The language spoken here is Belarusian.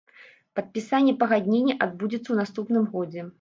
Падпісанне пагаднення адбудзецца ў наступным годзе.